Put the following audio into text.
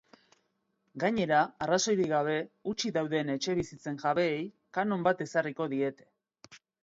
Gainera, arrazoirik gabe hutsik dauden etxebizitzen jabeei kanon bat ezarriko diete.